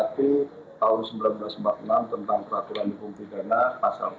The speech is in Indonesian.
tahun seribu sembilan ratus empat puluh enam tentang peraturan hukum pidana pasal empat puluh